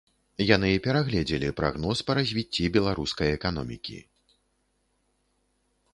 Яны перагледзелі прагноз па развіцці беларускай эканомікі.